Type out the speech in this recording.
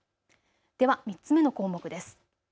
では３つ目の項目です。